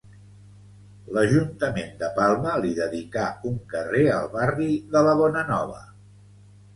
L'Ajuntament de Palma li dedicà un carrer al barri de la Bonanova.